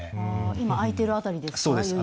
今空いている辺りですか？